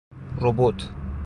روبوت